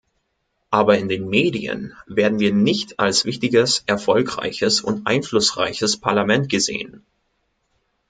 Aber in den Medien werden wir nicht als wichtiges, erfolgreiches und einflussreiches Parlament gesehen.